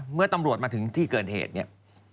เมื่อตำรวจมาถึงที่เกิดเหตุเนี่ย